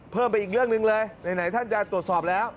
เพิ่มไปอีกเรื่องหนึ่งเลยไหนท่านจะตรวจสอบแล้ว